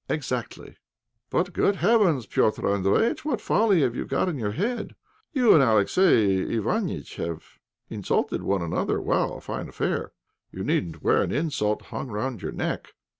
"Exactly." "But, good heavens, Petr' Andréjïtch, what folly have you got in your head? You and Alexey Iványtch have insulted one another; well, a fine affair! You needn't wear an insult hung round your neck.